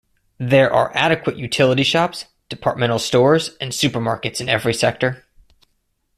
There are adequate utility shops, departmental stores and super markets in every sector.